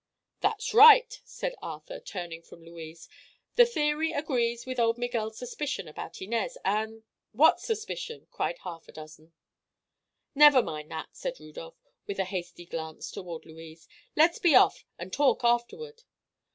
"That's right!" cried Arthur, turning from Louise. "The theory agrees with old Miguel's suspicion about Inez, and—" "What suspicion?" cried half a dozen. "Never mind that," said Rudolph, with a hasty glance toward Louise; "let's be off, and talk afterward."